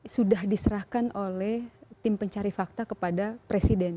sudah diserahkan oleh tim pencari fakta kepada presiden